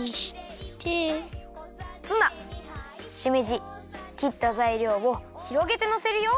ツナしめじきったざいりょうをひろげてのせるよ。